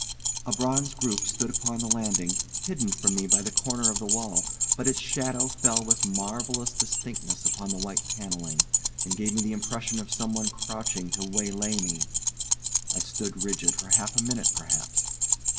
A bronze group stood upon the landing, hidden from me by the corner of the wall, but its shadow fell with marvellous distinctness upon the white panelling, and gave me the impression of someone crouching to waylay me. I stood rigid for half a minute perhaps.